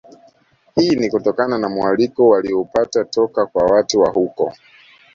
Hii ni kutokana na mualiko walioupata toka kwa watu wa huko